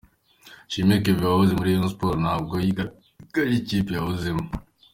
Ishimwe Kevin wahoze muri Rayon Sports ntabwo yigaragarije ikipe yahozemo.